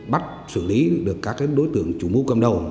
bắt xử lý được các đối tượng chủ mưu cầm đầu